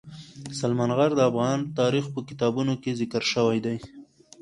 سلیمان غر د افغان تاریخ په کتابونو کې ذکر شوی دي.